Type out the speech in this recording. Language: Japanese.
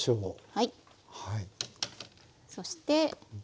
はい。